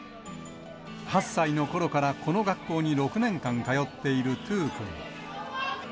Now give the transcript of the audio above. ８歳のころからこの学校に６年間通っているトゥー君。